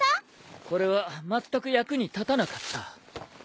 これはまったく役に立たなかった。